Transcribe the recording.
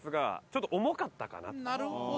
ちょっと重かったかなって。